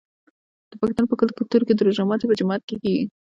د پښتنو په کلتور کې د روژې ماتی په جومات کې کیږي.